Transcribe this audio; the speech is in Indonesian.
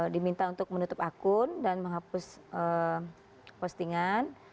diminta untuk menutup akun dan menghapus postingan